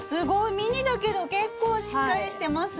ミニだけど結構しっかりしてますね。